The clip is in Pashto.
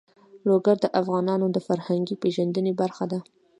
لوگر د افغانانو د فرهنګي پیژندنې برخه ده.